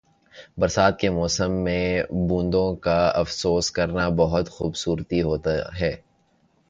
برسات کے موسم میں بوندوں کا افسوس کرنا بہت خوبصورتی ہوتا ہے۔